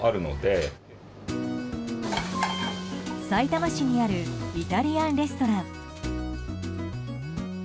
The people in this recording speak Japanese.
さいたま市にあるイタリアンレストラン。